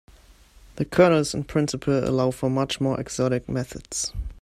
The kernels in principle allow for much more exotic methods.